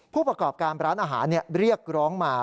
ผู้ประกอบการร้านอาหารเรียกร้องมา